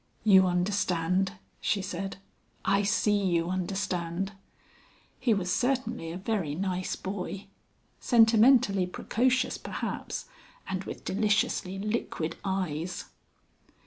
"You understand," she said. "I see you understand." He was certainly a very nice boy, sentimentally precocious perhaps, and with deliciously liquid eyes.